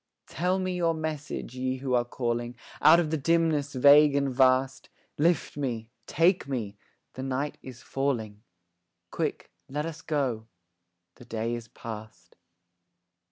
Tell me your message, Ye who are calling Out of the dimness vague and vast; Lift me, take me, the night is falling; Quick, let us go, the day is past.